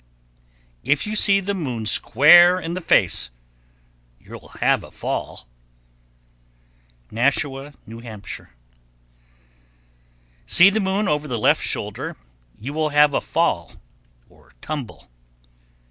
_ 1097. If you see the moon square in the face, you'll have a fall. Nashua, N.H. 1098. See the moon over the left shoulder, You will have a fall (tumble).